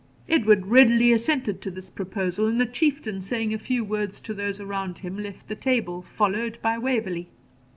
Edward readily assented to this proposal, and the Chieftain, saying a few words to those around him, left the table, followed by Waverley.